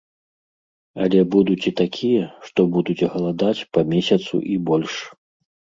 Але будуць і такія, што будуць галадаць па месяцу і больш.